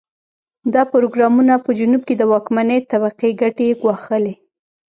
دا پروګرامونه په جنوب کې د واکمنې طبقې ګټې ګواښلې.